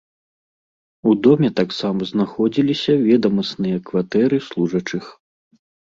У доме таксама знаходзіліся ведамасныя кватэры служачых.